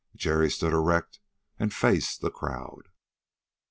Jerry stood erect and faced the crowd.